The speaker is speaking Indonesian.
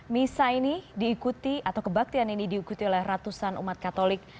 misa ini diikuti atau kebaktian ini diikuti oleh ratusan umat katolik